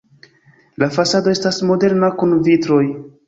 La fasado estas moderna kun vitroj.